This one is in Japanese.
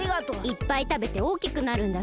いっぱいたべておおきくなるんだぞ。